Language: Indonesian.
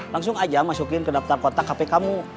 langsung aja masukin ke daftar kotak hp kamu